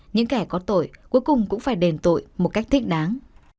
những kẻ có tội cuối cùng cũng phải đền tội một cách thích đáng